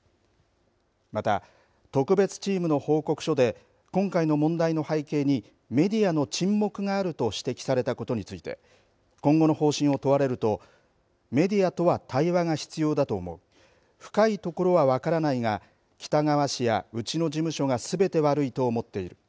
また、特別チームの報告書で今回の問題の背景にメディアの沈黙があると指摘されたことについて今後の方針を問われるとメディアとは対話が必要だと思う深いところは分からないが喜多川氏や、うちの事務所がすべて悪いと思っている。